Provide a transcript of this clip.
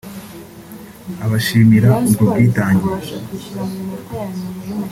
abashimira ubwo bwitange